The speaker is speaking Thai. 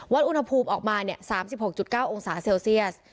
อุณหภูมิออกมา๓๖๙องศาเซลเซียส